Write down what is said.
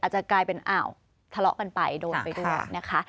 จะกลายเป็นอ้าวทะเลาะกันไปโดนไปด้วยนะคะ